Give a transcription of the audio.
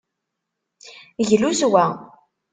Glu s wa.